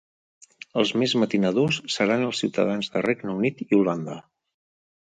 Els més matinadors seran els ciutadans de Regne Unit i Holanda.